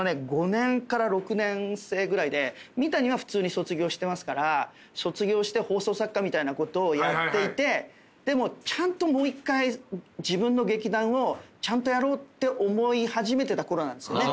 ５年から６年生ぐらいで三谷は普通に卒業してますから卒業して放送作家みたいなことをやっていてでもちゃんともう一回。って思い始めてたころなんですよね。